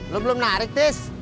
lo belum narik tis